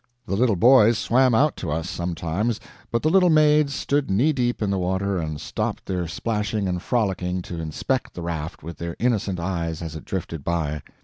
The little boys swam out to us, sometimes, but the little maids stood knee deep in the water and stopped their splashing and frolicking to inspect the raft with their innocent eyes as it drifted by.